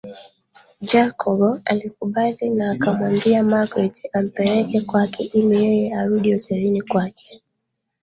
Jacob alikubali na akamwambia magreth ampeleke kwake ili yeye arudi hotelini kwake